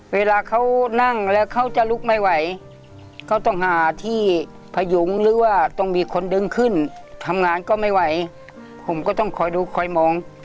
เวลาเขานั่งแล้วเขาจะลุกไม่ไหวเขาต้องหาที่พยุงหรือว่าต้องมีคนดึงขึ้นทำงานก็ไม่ไหวผมก็ต้องคอยดูคอยมอง